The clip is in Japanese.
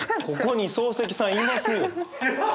ここに漱石さんいますよ。